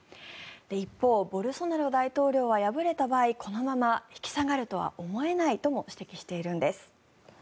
一方、ボルソナロ大統領は敗れた場合このまま引き下がるとは思えないとも指摘しているんです。